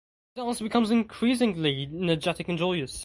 His dance becomes increasingly energetic and joyous.